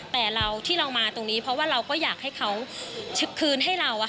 แต่เราที่เรามาตรงนี้เพราะว่าเราก็อยากให้เขาคืนให้เรา